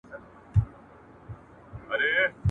وزن پورته کول د بدن ځواک زیاتوي.